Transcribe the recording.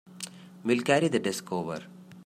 We'll carry the desk over.